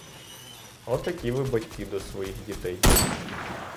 Отакі ви батьки до своїх дітей!